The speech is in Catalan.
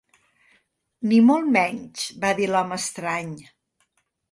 "Ni molt menys", va dir l'home estrany.